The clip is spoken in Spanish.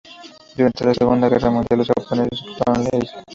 Durante la Segunda Guerra Mundial, los japoneses ocuparon la isla.